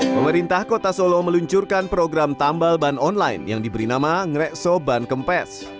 pemerintah kota solo meluncurkan program tambal ban online yang diberi nama ngerekso ban kempes